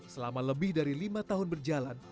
selama lebih dari lima tahun berjalan